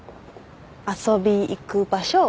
遊び行く場所